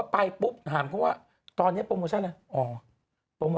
พี่ท้างไหมวันนั้น